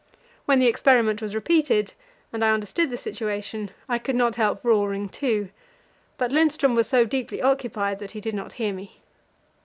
When the experiment was repeated, and I understood the situation, I could not help roaring, too, but Lindström was so deeply occupied that he did not hear me.